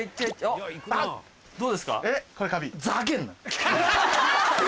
どうですか？